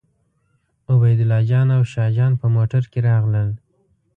عبیدالله جان او شاه جان په موټر کې راغلل.